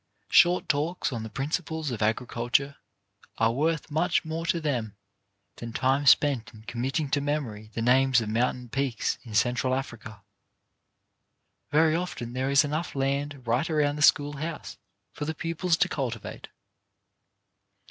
Short talks on the principles of agriculture are worth much more to them than time spent in committing to mem ory the names of mountain peaks in Central Africa. Very often there is enough land right around the school house for the pupils to cultivate.